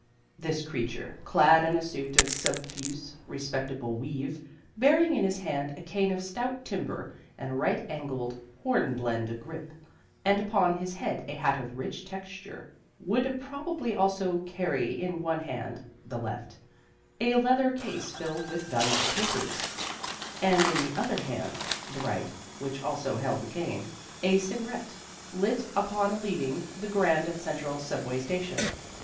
This creature, clad in a suit of subfuse respectable weave, bearing in his hand a cane of stout timber with a right angled hornblende grip, and upon his head a hat of rich texture, would probably also carry in one hand (the left) a leather case filled with valuable papers, and in the other hand (the right, which also held the cane) a cigarette, lit upon leaving the Grand Central subway station.